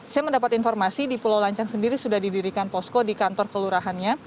saya mendapat informasi di pulau lancang sendiri sudah didirikan posko di kantor kelurahannya